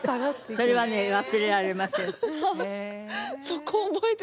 それはね忘れられません。